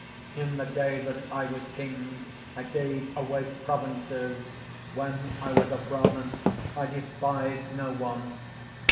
In the day that I was King, I gave away provinces; when I was a Brahman I despised no one.